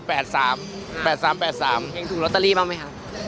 อย่างนี้ถูกโรตเตอรี่บ้างไหมคะ